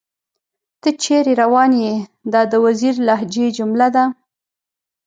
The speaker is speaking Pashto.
تۀ چېرې راوون ئې ؟ دا د وزيري لهجې جمله ده